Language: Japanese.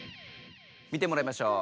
見てもらいましょう。